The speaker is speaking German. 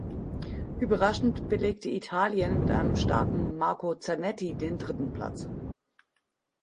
Überraschend belegte Italien mit einem starken Marco Zanetti den dritten Platz.